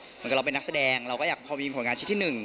เหมือนกับเราเป็นนักแสดงเราก็อยากพอมีผลงานชิ้นที่๑